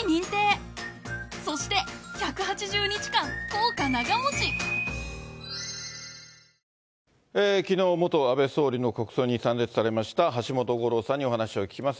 この国葬を契機に、きのう、元安倍総理の国葬に参列されました橋本五郎さんにお話を聞きます。